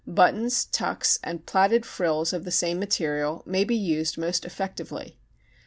Buttons, tucks, and plaited frills of the same material may be used most effectively.